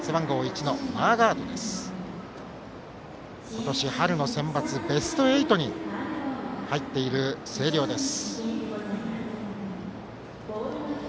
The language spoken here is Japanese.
今年春のセンバツベスト８に入っている星稜です。